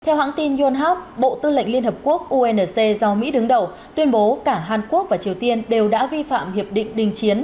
theo hãng tin yonhap bộ tư lệnh liên hợp quốc unc do mỹ đứng đầu tuyên bố cả hàn quốc và triều tiên đều đã vi phạm hiệp định đình chiến